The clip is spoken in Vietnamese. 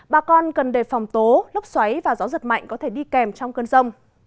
bà con cần đề phòng tố lốc xoáy và gió giật mạnh có thể đi kèm trong cơn rông